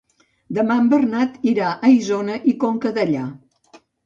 Demà en Bernat irà a Isona i Conca Dellà.